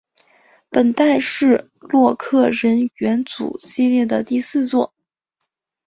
本代是洛克人元祖系列的第四作。